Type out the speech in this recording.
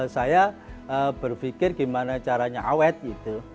saya berpikir gimana caranya awet gitu